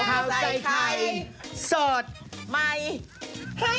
ข่าวใส่ไข่สดใหม่ให้เยอะค่ะ